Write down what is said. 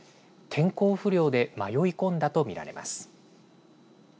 天候不良で迷い込んだと見られます。